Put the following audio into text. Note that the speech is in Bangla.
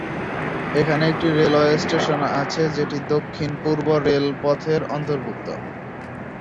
এখানে একটি রেলওয়ে স্টেশন আছে যেটি দক্ষিণ-পূর্ব রেলপথের অন্তর্ভুক্ত।